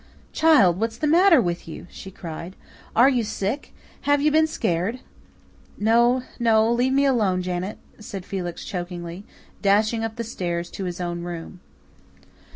"Child, what's the matter with you?" she cried. "Are you sick? Have you been scared?" "No, no. Leave me alone, Janet," said Felix chokingly, dashing up the stairs to his own room.